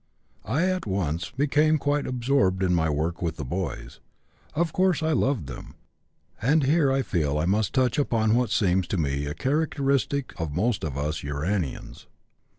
I at once became quite absorbed in my work with the boys. Of course I loved them. And here I feel I must touch upon what seems to me a characteristic of most of us uranians.